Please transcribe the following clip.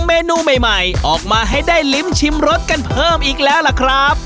เมนูใหม่ออกมาให้ได้ลิ้มชิมรสกันเพิ่มอีกแล้วล่ะครับ